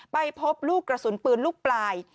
ไปพบลูกกระสุนปืนลูกปลาย